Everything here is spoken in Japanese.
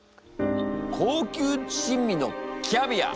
高級珍味のキャビア！